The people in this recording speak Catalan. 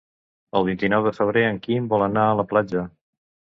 El vint-i-nou de febrer en Quim vol anar a la platja.